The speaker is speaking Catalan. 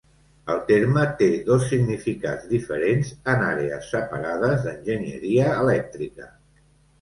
El terme té dos significats diferents en àrees separades d'enginyeria elèctrica.